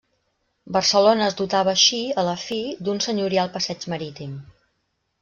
Barcelona es dotava així, a la fi, d'un senyorial passeig marítim.